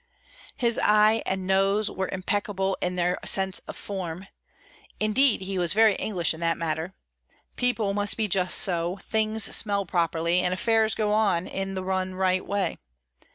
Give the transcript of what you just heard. His eye and nose were impeccable in their sense of form; indeed, he was very English in that matter: People must be just so; things smell properly; and affairs go on in the one right way.